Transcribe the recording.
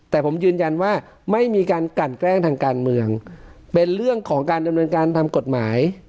แต่ผมยืนยันว่าไม่มีการกลั่นแกล้งทางการเมืองเป็นเรื่องของการดำเนินการทำกฎหมาย